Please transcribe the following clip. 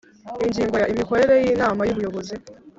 Ingingo ya imikorere y inama y ubuyobozi